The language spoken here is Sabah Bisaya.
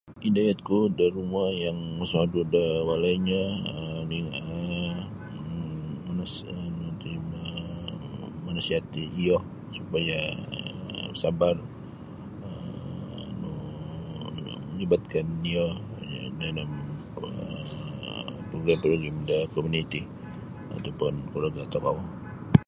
Idayatku do rumo yang mosodu' do walainyo um [unintelligible] manas manasiati iyo supaya basabar um nu melibatkan iyo dalam kuo progrim-progrim da komuniti atau pun kuro gaya' tokou.